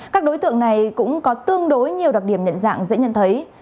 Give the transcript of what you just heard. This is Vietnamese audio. các đối tượng này cũng có tương đối nhiều đặc điểm nhận dạng dễ nhận thấy